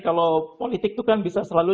kalau politik itu kan bisa selalu